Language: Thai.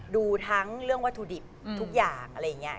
ดูทั้งเรื่องวัตถุดิบทุกอย่างอะไรอย่างนี้